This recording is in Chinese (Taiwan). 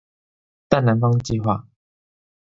大南方計畫